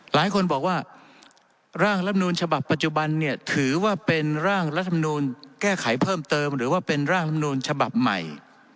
หลายคนบอกว่าร่างรับนูลฉบับปัจจุบันเนี่ยถือว่าเป็นร่างรัฐมนูลแก้ไขเพิ่มเติมหรือว่าเป็นร่างลำนูลฉบับใหม่